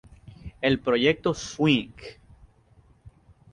El proyecto "Swing!